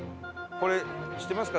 これ知ってますか？